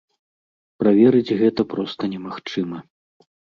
Праверыць гэта проста немагчыма.